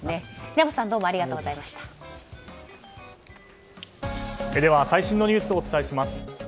平松さんでは、最新のニュースをお伝えします。